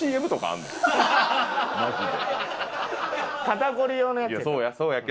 肩こり用のやつや。